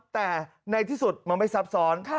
แต่ในที่สุดมันไม่ซับซ้อน